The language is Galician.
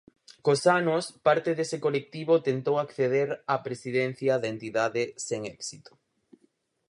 Cos anos parte dese colectivo tentou acceder á presidencia da entidade sen éxito.